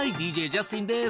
ＤＪジャスティンです。